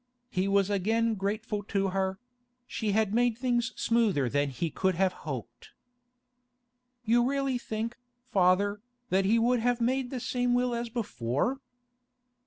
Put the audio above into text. He was again grateful to her; she had made things smoother than he could have hoped. 'You really think, father, that he would have made the same will as before?